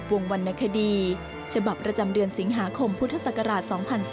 วรรณคดีฉบับประจำเดือนสิงหาคมพุทธศักราช๒๔